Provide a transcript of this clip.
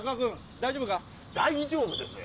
大丈夫ですよ！